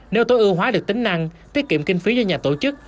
nếu tối ưu hóa được tính năng tiết kiệm kinh phí cho nhà tổ chức